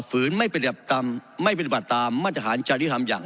ฝืนไม่ประรับตามไม่ประรับตามมาตรฐานจารย์ที่ทำอย่าง